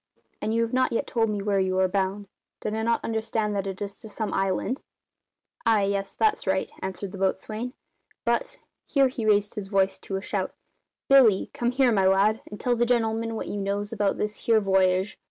And you have not yet told me where you are bound. Did I not understand that it is to some island?" "Ay, yes, that's right," answered the boatswain, "but," here he raised his voice to a shout "Billy, come here, my lad, and tell the gen'leman what you knows about this here v'yage."